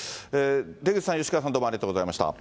出口さん、吉川さん、どうもありがとうございました。